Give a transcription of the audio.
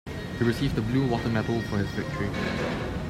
He received the Blue Water Medal for his victory.